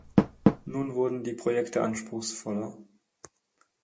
Nun wurden die Projekte anspruchsvoller.